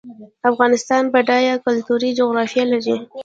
افغانستان بډایه کلتوري جغرافیه لري